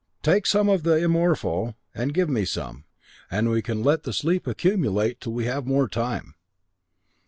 Take some of the Immorpho and give me some, and we can let the sleep accumulate till we have more time!